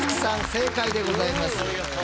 正解でございます。